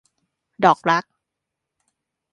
ดอกรัก